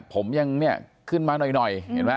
ผมยังขึ้นมาหน่อย